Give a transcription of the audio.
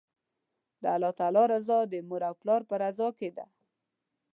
د الله تعالی رضا، د مور او پلار په رضا کی ده